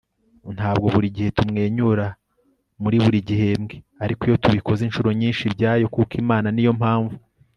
ntabwo buri gihe tumwenyura muri buri gihembwe, ariko iyo tubikoze, inshuro nyinshi, ibyayo kuko imana niyo mpamvu